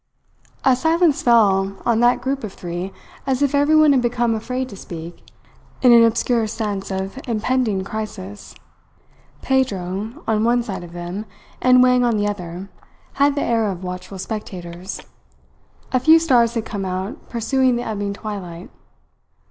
A silence fell on that group of three, as if everyone had become afraid to speak, in an obscure sense of an impending crisis. Pedro on one side of them and Wang on the other had the air of watchful spectators. A few stars had come out pursuing the ebbing twilight.